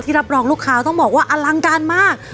รับรองลูกค้าต้องบอกว่าอลังการมาก